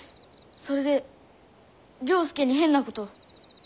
それで了助に変なことを。